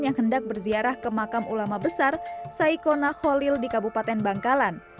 yang hendak berziarah ke makam ulama besar saikona kholil di kabupaten bangkalan